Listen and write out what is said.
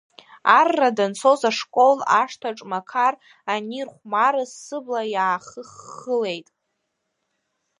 Арра данцоз ашкол ашҭаҿ мақар анирхәмарыз сыбла иаахыххылеит.